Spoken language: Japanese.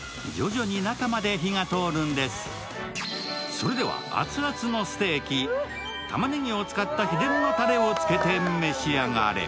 それでは、熱々のステーキ、たまねぎを使った秘伝のたれをつけて召し上がれ。